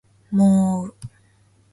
もーう